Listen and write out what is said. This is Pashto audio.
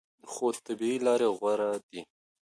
خو طبیعي لارې غوره دي.